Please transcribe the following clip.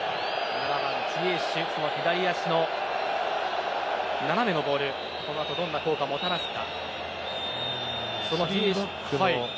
７番、ジエシュの斜めのボールがどんな効果をもたらすか。